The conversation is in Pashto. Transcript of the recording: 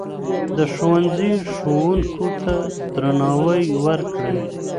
د ښوونځي ښوونکو ته درناوی وکړئ.